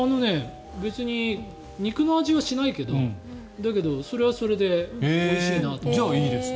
肉の味はしないけどそれはそれでおいしいなと。